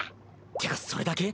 ってかそれだけ？